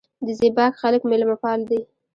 د زیباک خلک میلمه پال دي